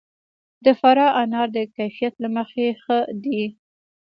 د فراه انار د کیفیت له مخې ښه دي.